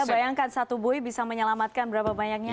padahal bayangkan satu buoy bisa menyelamatkan berapa banyaknya